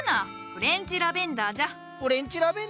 フレンチラベンダー？